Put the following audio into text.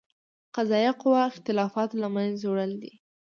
قضائیه قوه اختلافاتو له منځه وړل دي.